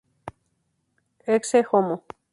Ecce homo.